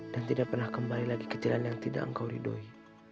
dan tidak pernah kembali lagi ke jalan yang tidak engkau ridhoi